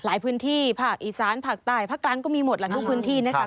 พื้นที่ภาคอีสานภาคใต้ภาคกลางก็มีหมดหลายทุกพื้นที่นะคะ